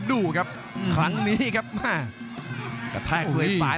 รับทราบบรรดาศักดิ์